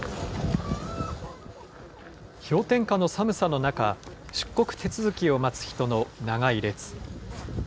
氷点下の寒さの中、出国手続きを待つ人の長い列。